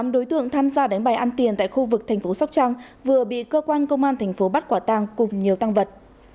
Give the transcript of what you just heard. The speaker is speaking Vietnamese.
tám đối tượng tham gia đánh bài ăn tiền tại khu vực thành phố sóc trăng vừa bị cơ quan công an thành phố bắt quả tàng cùng nhiều tăng vật